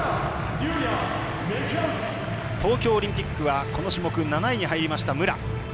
東京オリンピックはこの種目７位に入りました、武良。